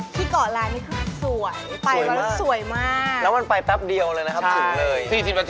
พบผมส่วนใหญ่ภรรยาจะมาแนวซื้อมากกว่า